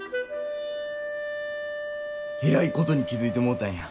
えらいことに気付いてもうたんや。